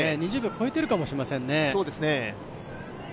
２０秒超えてるかもしれませんね。